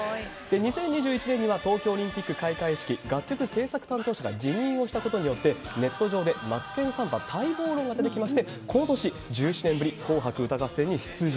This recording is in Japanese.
２０２１年には東京オリンピック開会式、楽曲制作担当者が辞任をしたことによって、ネット上でマツケンサンバ待望論が出てきまして、この年１７年ぶり紅白歌合戦に出場。